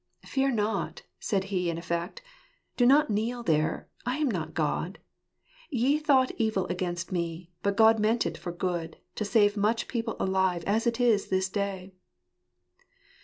" Fear not," said he in effect/ "do not kneel there; I am not God: ye thought eviv against me; but God meant it for good, to save much people alive, as it is this day."